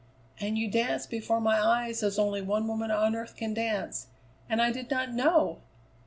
"And you danced before my eyes as only one woman on earth can dance and I did not know!